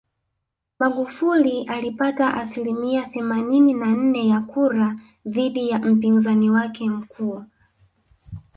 Magufuli alipata asilimia themanini na nne ya kura dhidi ya mpinzani wake mkuu